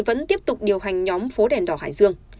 vẫn tiếp tục điều hành nhóm phố đèn đỏ hải dương